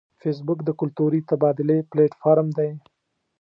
فېسبوک د کلتوري تبادلې پلیټ فارم دی